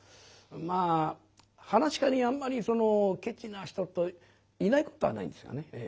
まあ噺家にあんまりそのケチな人といないことはないんですがね。